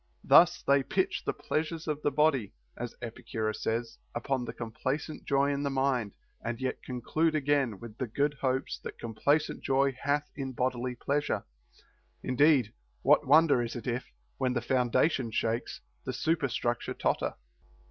Thus they pitch the pleasure of the body (as Epicurus says) upon the complacent joy in the mind, and yet conclude again with the good hopes that complacent joy hath in bodily pleasure. Indeed what wonder is it if, when the foundation shakes, the superstructure totter?